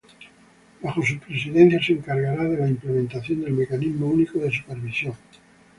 Bajo su presidencia se encargará de la implementación del Mecanismo Único de Supervisión.